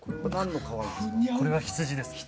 これはヒツジです。